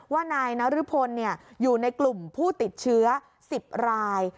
ว่านายนรพลอยู่ในกลุ่มผู้ติดเชื้อ๑๐ราย